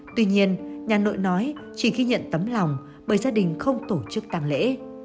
tuy nhiên nhà nội nói chỉ khi nhận tấm lòng bởi gia đình không tổ chức tàng lễ